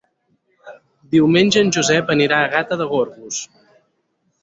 Diumenge en Josep anirà a Gata de Gorgos.